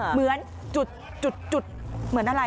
เหมือนจุดเหมือนอะไร